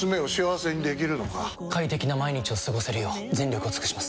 快適な毎日を過ごせるよう全力を尽くします！